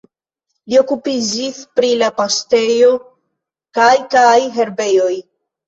Li okupiĝis pri la paŝtejoj kaj kaj herbejoj.